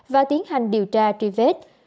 và tiến hành điều tra truy vết